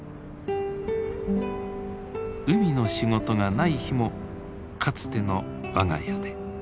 海の仕事がない日もかつての我が家で。